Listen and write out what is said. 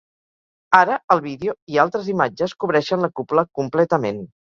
Ara el vídeo i altres imatges cobreixen la cúpula completament.